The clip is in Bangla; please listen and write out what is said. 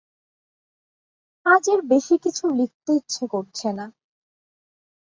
আজ এর বেশি কিছু লিখতে ইচ্ছে করছে না।